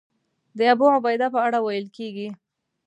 د ابوعبیده په اړه ویل کېږي.